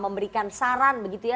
memberikan saran begitu ya